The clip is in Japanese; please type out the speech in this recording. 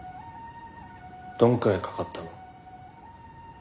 どのくらいかかったの？